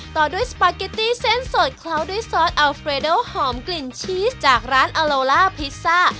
ต่อด้วยสปาเกตตี้เส้นสดเคล้าด้วยซอสอัลเฟรโดหอมกลิ่นชีสจากร้านอโลล่าพิซซ่า